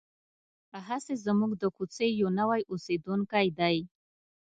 هسې زموږ د کوڅې یو نوی اوسېدونکی دی.